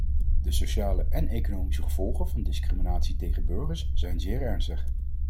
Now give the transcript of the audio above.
De sociale en economische gevolgen van discriminatie tegen burgers zijn zeer ernstig.